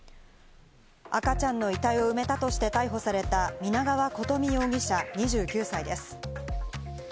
赤ちゃんの遺体を埋めたとして逮捕された皆川琴美容疑者、２９歳です。